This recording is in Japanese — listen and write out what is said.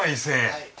はい。